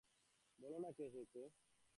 বলো না, কে এসেছে।